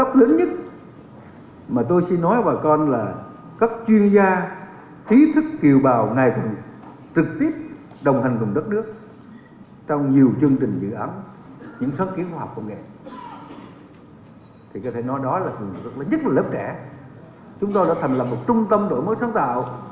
chúng tôi đã thành là một trung tâm rõ ràng đối với sáng tạo